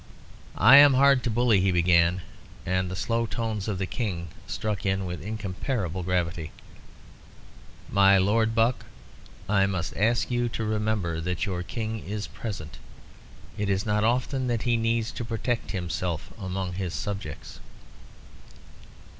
"I am hard to bully," he began and the slow tones of the King struck in with incomparable gravity "My Lord Buck, I must ask you to remember that your King is present. It is not often that he needs to protect himself among his subjects."